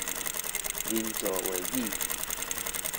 人造話語